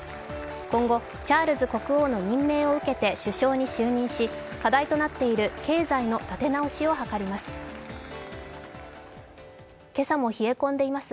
今後、チャールズ国王の任命を受けて首相に就任し課題となっている経済の立て直しを図ります。